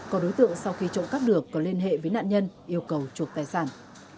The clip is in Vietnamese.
có đối tượng sau khi trộm cắp được có liên hệ với nạn nhân yêu cầu trộm tài sản